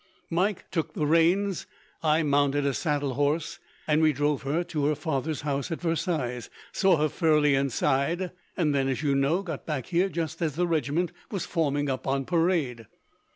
Mike took the reins, I mounted a saddle horse, and we drove her to her father's house at Versailles, saw her fairly inside, and then, as you know, got back here just as the regiment was forming up on parade."